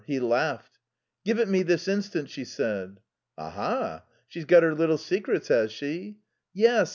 He laughed. "Give it me this instant," she said. "Aha! She's got her little secrets, has she?" "Yes.